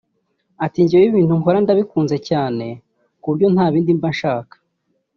Ati “Njyewe ibintu nkora ndabikunze cyane ku buryo nta bindi mba nshaka